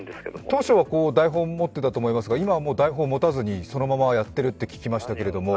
当初は台本、持ってたと思いますが、今は台本持たずにそのままやっていると聞きましたけれども。